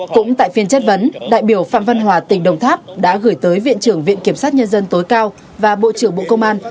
cũng tại phiên chất vấn đại biểu phạm văn hòa tỉnh đồng tháp đã gửi tới viện trưởng viện kiểm sát nhân dân tối cao và bộ trưởng bộ công an